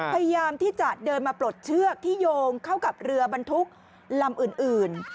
พยายามที่จะเดินมาปลดเชือกที่โยงเข้ากับเรือบรรทุกลำอื่น